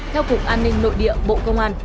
theo cục an ninh nội địa bộ công an